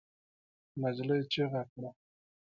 نجلۍ چیغه کړه.